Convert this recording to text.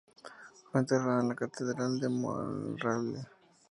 Fue enterrada en la Catedral de Monreale.